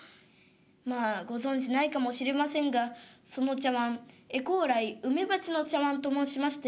「まあご存じないかもしれませんがその茶わん絵高麗梅鉢の茶わんと申しまして